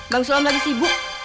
bang sulam lagi sibuk